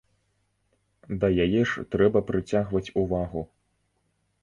Да яе ж трэба прыцягваць увагу.